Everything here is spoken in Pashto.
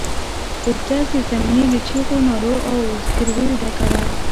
اوږده زېرزميني له چيغو، نارو او زګرويو ډکه وه.